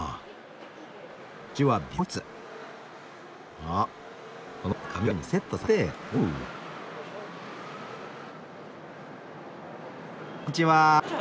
あのこんにちは。